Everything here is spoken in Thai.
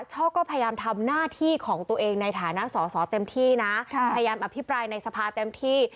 ช่อก็พยายามทำหน้าที่ของตัวเองในฐานะสอสอเต็มที่นะพยายามอภิปรายในสภาเต็มที่